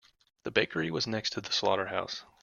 The bakery was next to the slaughterhouse.